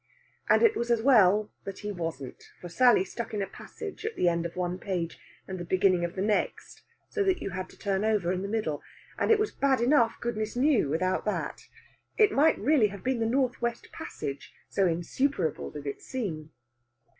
And it was as well that he wasn't, for Sally stuck in a passage at the end of one page and the beginning of the next, so that you had to turn over in the middle; and it was bad enough, goodness knew, without that! It might really have been the north west passage, so insuperable did it seem.